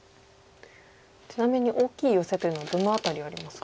ちなみに大きいヨセというのはどの辺りありますか？